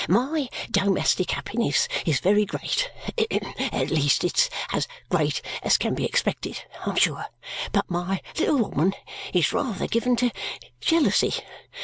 My domestic happiness is very great at least, it's as great as can be expected, I'm sure but my little woman is rather given to jealousy.